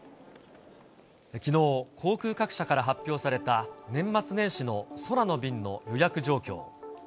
きのう、航空各社から発表された年末年始の空の便の予約状況。